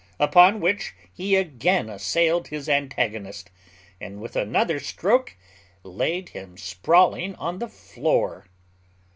Upon which he again assailed his antagonist, and with another stroke laid him sprawling on the floor.